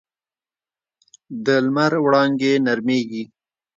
د لمر وړانګې نرمېږي